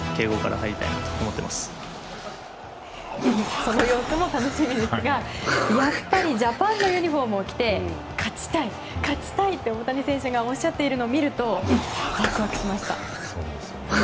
その様子も楽しみですがやっぱりジャパンのユニホームを着て勝ちたい、勝ちたいって大谷選手がおっしゃっているのを見るとワクワクしました。